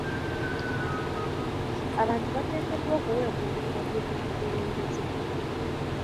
Abantu bateekeddwa okuweebwa obukodyo bw'obukulembeze.